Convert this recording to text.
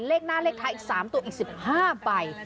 เลขหน้าเลขท้ายอีก๓ตัวอีก๑๕ใบ